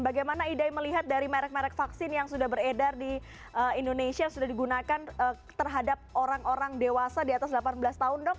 bagaimana idai melihat dari merek merek vaksin yang sudah beredar di indonesia sudah digunakan terhadap orang orang dewasa di atas delapan belas tahun dok